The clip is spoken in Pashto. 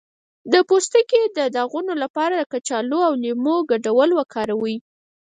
د پوستکي د داغونو لپاره د کچالو او لیمو ګډول وکاروئ